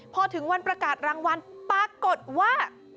พอถึงวันประกาศรางวัลปรากฏว่า